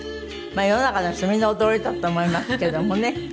世の中の人みんな驚いたと思いますけどもね。